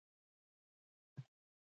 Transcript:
خو وروسته بزګرۍ غوره بڼه خپله کړه.